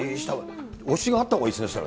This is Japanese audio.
推しがあったほうがいいです